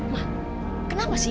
ma kenapa sih